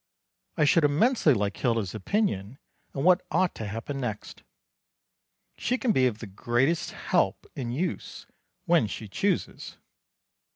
I should immensely like Hilda's opinion on what ought to happen next. She can be of the greatest help and use when she chooses.